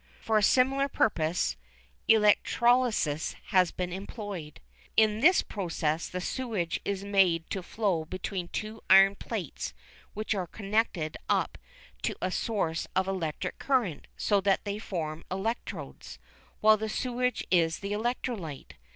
For a similar purpose electrolysis has been employed. In this process the sewage is made to flow between two iron plates which are connected up to a source of electric current so that they form electrodes, while the sewage is the electrolyte.